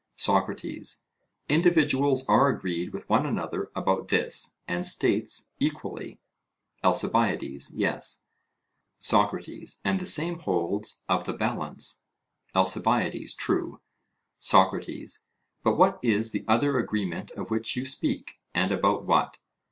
SOCRATES: Individuals are agreed with one another about this; and states, equally? ALCIBIADES: Yes. SOCRATES: And the same holds of the balance? ALCIBIADES: True. SOCRATES: But what is the other agreement of which you speak, and about what?